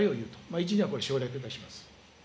１、２はこれ、省略いたします。